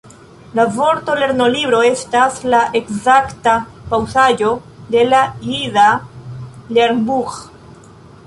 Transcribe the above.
La vorto lernolibro estas la ekzakta paŭsaĵo de la jida lernbuĥ.